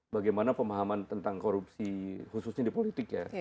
bagaimana pemahaman tentang korupsi khususnya di politik ya